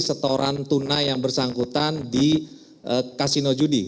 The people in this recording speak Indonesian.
setoran tunai yang bersangkutan di kasino judi